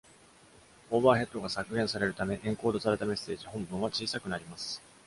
オーバーヘッドが削減されるため、エンコードされたメッセージ本文は小さくなります。